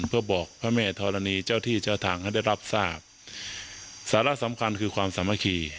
เพื่อบอกพระแม่ธรณีเจ้าที่เจ้าทางให้ได้รับทราบสาระสำคัญคือความสามัคคี